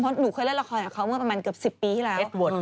เพราะหนูเคยเล่นละครกับเขาเมื่อประมาณเกือบ๑๐ปีที่แล้ว